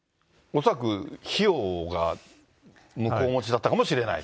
恐らく、費用が向こうもちだったかもしれない？